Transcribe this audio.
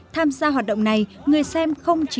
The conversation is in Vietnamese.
tham gia hoạt động này người xem không chỉ